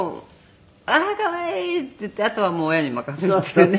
「ああー可愛い」って言ってあとはもう親に任せておけばね。